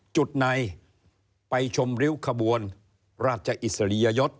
จุดในไปชมริ้วขบวนราชอิสริยยศ